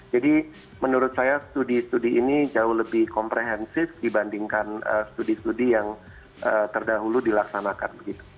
jadi menurut saya studi studi ini jauh lebih komprehensif dibandingkan studi studi yang terdahulu dilaksanakan